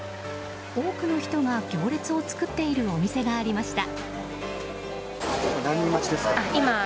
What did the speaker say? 多くの人が行列を作っているお店がありました。